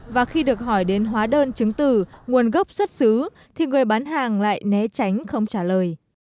và khi được hỏi đến hóa đơn chứng từ nguồn gốc xuất xứ thì người bán hàng lại né tránh không trả lời